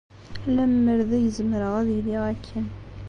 Lemmer d ay zemreɣ ad iliɣ akken...